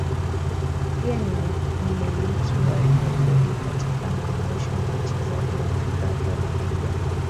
pia ni mmiliki wa rekodi katika maonyesho na mchezaji wa Afrika huko La Liga